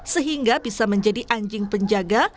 sehingga bisa menjadi anjing penjaga